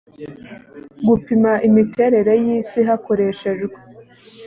gupima imiterere y isi hakoreshejwe